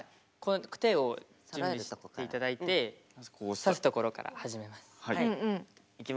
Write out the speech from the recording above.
手を準備して頂いてさすところから始めます。